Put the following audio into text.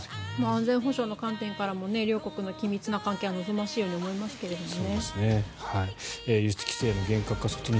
安全保障の観点からも両国の緊密な関係が望ましいように思いますけどね。